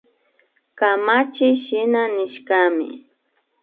Kamachiy shina nishkami